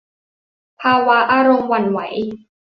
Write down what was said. ภาวะอารมณ์หวั่นไหว